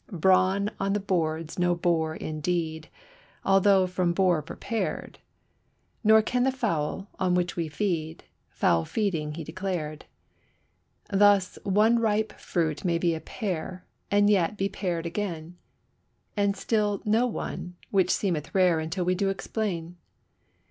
Brawn on the board's no bore indeed although from boar prepared; Nor can the fowl, on which we feed, foul feeding he declared. Thus, one ripe fruit may be a pear, and yet be pared again, And still no one, which seemeth rare until we do explain.